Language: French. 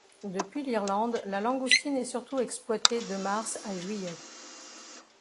Depuis l’Irlande, la langoustine est surtout exploitée de mars à juillet.